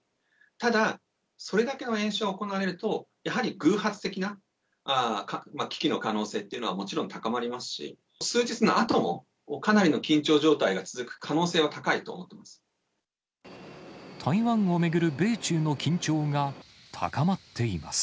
ただ、それだけの演習が行われると、やはり偶発的な危機の可能性というのはもちろん高まりますし、数日のあともかなりの緊張状態が続く可能性は高いと思っています。